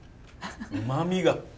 うまみが。